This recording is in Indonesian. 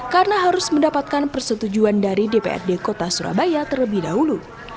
karena harus mendapatkan persetujuan dari dprd kota surabaya terlebih dahulu